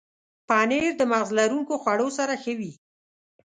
پنېر د مغز لرونکو خوړو سره ښه وي.